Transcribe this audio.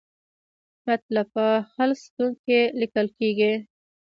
مطلب په خلص ستون کې لیکل کیږي.